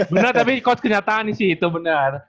bener tapi ikut kenyataan sih itu bener